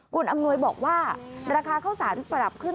คุณอำนวยบอกว่าราคาข้าวสารปรับขึ้น